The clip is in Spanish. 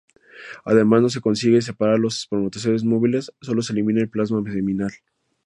Además, no se consigue separar los espermatozoides móviles, solo se elimina el plasma seminal.